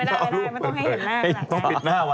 เออไม่ได้ไม่ได้ไม่ต้องให้เห็นหน้าขนาดนั้น